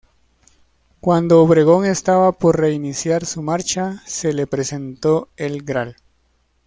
Cuando Obregón estaba por reiniciar su marcha, se le presentó el Gral.